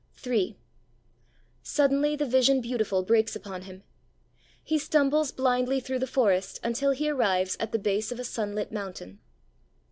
III Suddenly the Vision Beautiful breaks upon him. He stumbles blindly through the forest until he arrives at the base of a sunlit mountain